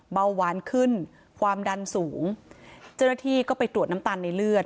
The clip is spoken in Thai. เบาหวานขึ้นความดันสูงเจ้าหน้าที่ก็ไปตรวจน้ำตาลในเลือด